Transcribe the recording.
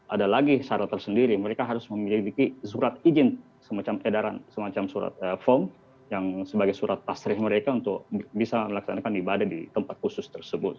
ada lagi syarat tersendiri mereka harus memiliki surat izin edaran semacam surat foam yang sebagai surat pasrah mereka untuk bisa melaksanakan ibadah di tempat khusus tersebut